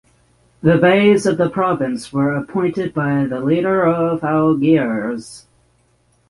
The Beys of the province were appointed by the leader of Algiers.